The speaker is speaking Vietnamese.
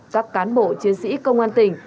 các cán bộ chiến sĩ công an tỉnh